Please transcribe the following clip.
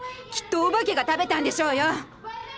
きっとお化けが食べたんでしょうよ！